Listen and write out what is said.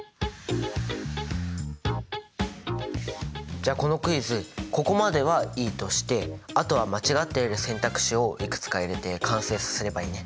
じゃあこのクイズここまではいいとしてあとは間違っている選択肢をいくつか入れて完成させればいいね？